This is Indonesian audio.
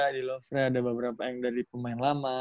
di lofre ada beberapa yang dari pemain lama